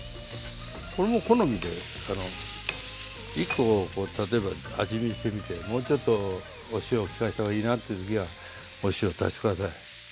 これも好みで１コ例えば味見してみてもうちょっとお塩を利かせた方がいいなっていう時はお塩足して下さい。